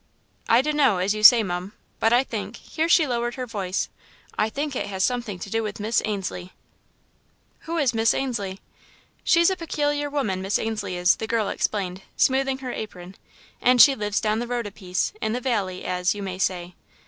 "I d' know, as you say, mum, but I think " here she lowered her voice "I think it has something to do with Miss Ainslie." "Who is Miss Ainslie?" "She's a peculiar woman, Miss Ainslie is," the girl explained, smoothing her apron, "and she lives down the road a piece, in the valley as, you may say.